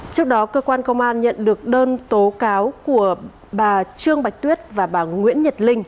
trước đó cơ quan công an nhận được đơn tố cáo của bà trương bạch tuyết và bà nguyễn nhật linh